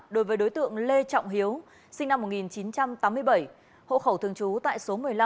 đối với đối tượng lê trọng hiếu sinh năm một nghìn chín trăm tám mươi bảy hộ khẩu thường trú tại số một mươi năm